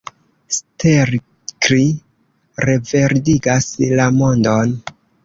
Stelkri reverdigas la mondon.